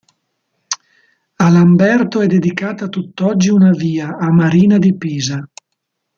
A Lamberto è dedicata tutt'oggi una via a Marina di Pisa.